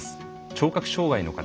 聴覚障害の方。